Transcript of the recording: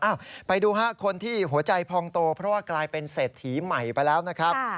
ไปดูฮะคนที่หัวใจพองโตเพราะว่ากลายเป็นเศรษฐีใหม่ไปแล้วนะครับ